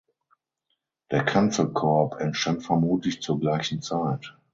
Der Kanzelkorb entstand vermutlich zur gleichen Zeit.